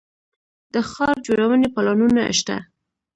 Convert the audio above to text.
د ښار جوړونې پلانونه شته